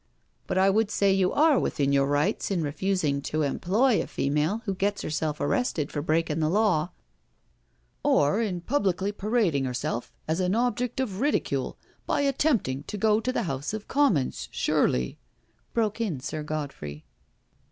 But I would say you are within your rights in refusing to employ a female who gets 'erself arrested for break in' the law. .••" "Or in publicly parading herself as an object of BRACKENHILL HALL 37 ridicule by attempting to go to the House of Commons, surely r* broke in Sir Godfrey.